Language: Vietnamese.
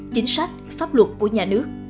chính sách pháp luật của nhà nước